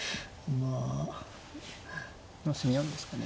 まあ攻め合うんですかね。